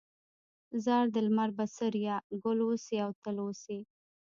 ځار د لمر بڅريه، ګل اوسې او تل اوسې